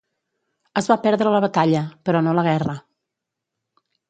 Es va perdre la batalla, però no la guerra.